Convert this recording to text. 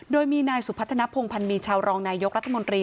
โดยมีนายสุพัฒนภงพันธ์มีชาวรองนายยกรัฐมนตรี